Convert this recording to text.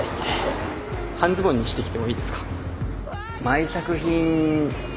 半ズボンにしてきてもいいですか？